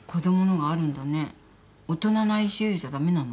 大人のＩＣＵじゃ駄目なの？